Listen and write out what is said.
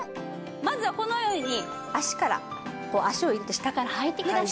まずはこのように脚からこう脚を入れて下からはいてください。